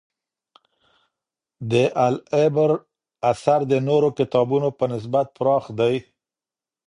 د «العِبر» اثر د نورو کتابونو په نسبت پراخ دی.